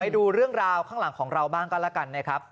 ดูเรื่องราวข้างหลังของเราบ้างก็แล้วกันนะครับ